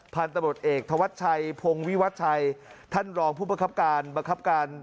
ผ่านตำรวจเอกทวัชชัยพงวิวัชชัยท่านรองผู้ประคับการ